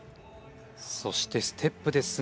そしてステップですが